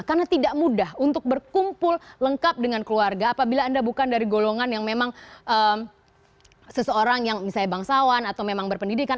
karena tidak mudah untuk berkumpul lengkap dengan keluarga apabila anda bukan dari golongan yang memang seseorang yang misalnya bangsawan atau memang berpendidikan